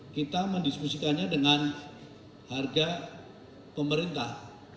kita mendiskusikannya dengan harga pemerintah